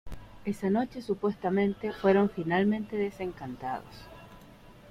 Esa noche, supuestamente, fueron finalmente desencantados.